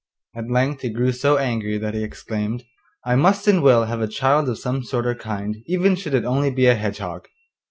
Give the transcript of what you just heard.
At length he grew so angry that he exclaimed: 'I must and will have a child of some sort or kind, even should it only be a hedgehog!